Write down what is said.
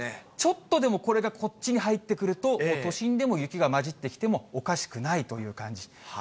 ちょっとでもこれがこっちに入ってくると、都心でも雪がまじってきてもおかしくないという感じ。